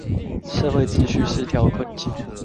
社會秩序失調困境